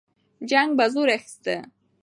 جنګ به زور اخیسته.